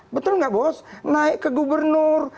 betul nggak bos naik ke gubernur